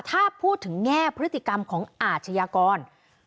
ถ้าพูดถึงแง่พฤติกรรมของอาชญากร